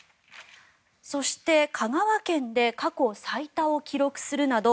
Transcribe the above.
そして、香川県で過去最多を記録するなど